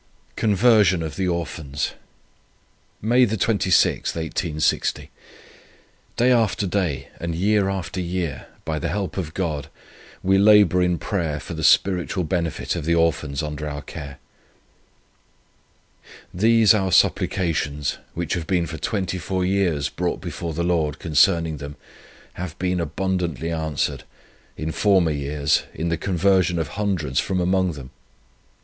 CONVERSION OF THE ORPHANS. "May 26, 1860. Day after day, and year after year, by the help of God, we labour in prayer for the spiritual benefit of the Orphans under our care. These our supplications, which have been for 24 years brought before the Lord concerning them, have been abundantly answered, in former years, in the conversion of hundreds from among them.